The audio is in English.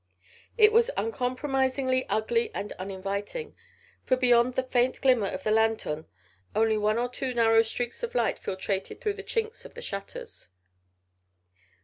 It was uncompromisingly ugly and uninviting, for beyond the faint glimmer of the lanthorn only one or two narrow streaks of light filtrated through the chinks of the shutters.